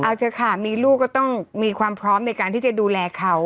เอาเถอะค่ะมีลูกก็ต้องมีความพร้อมในการที่จะดูแลเขา